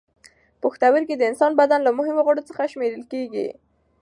پښتورګي د انساني بدن له مهمو غړو څخه شمېرل کېږي.